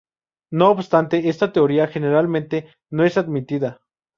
No obstante, esta teoría, generalmente, no es admitida.